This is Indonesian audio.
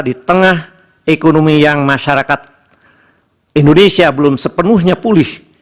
di tengah ekonomi yang masyarakat indonesia belum sepenuhnya pulih